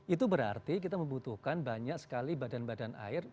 itu berarti kita membutuhkan banyak sekali badan badan air